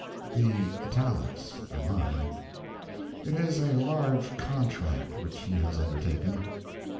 [The italics ['') are mine.] It is a large contract which he has undertaken.